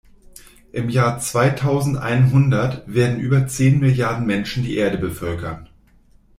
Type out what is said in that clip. Im Jahr zweitausendeinhundert werden über zehn Milliarden Menschen die Erde bevölkern.